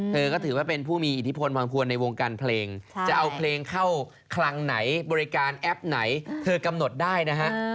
เธอก็ถือว่าเป็นผู้มีอิทธิพลวังควรในวงการเพลงจะเอาเพลงเข้าครั้งไหนบริการแอปไหนเธอกำหนดได้นะฮะ